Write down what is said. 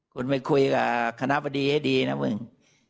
คุณไปคุยกับคณะบดีให้ดีนะมึง